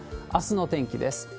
あすの天気です。